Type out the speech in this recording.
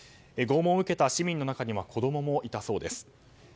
拷問を受けた市民の中には子供もいたそうです。